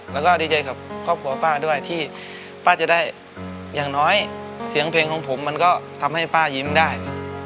แล้วก็ดีใจกับครอบครัวป้าด้วยที่ป้าจะได้อย่างน้อยเสียงเพลงของผมมันก็ทำให้ป้ายิ้มได้